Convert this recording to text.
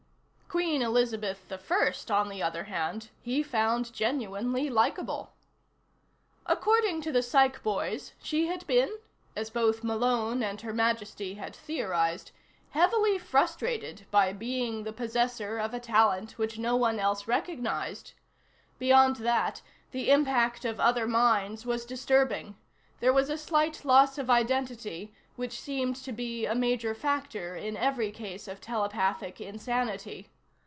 Queen Elizabeth I, on the other hand, he found genuinely likeable. According to the psych boys, she had been (as both Malone and Her Majesty had theorized) heavily frustrated by being the possessor of a talent which no one else recognized. Beyond that, the impact of other minds was disturbing; there was a slight loss of identity which seemed to be a major factor in every case of telepathic insanity.